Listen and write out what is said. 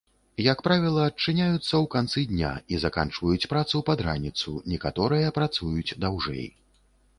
Як правіла адчыняюцца ў канцы дня і заканчваюць працу пад раніцу, некаторыя працуюць даўжэй.